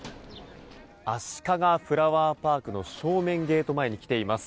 あしかがフラワーパークの正面ゲート前に来ています。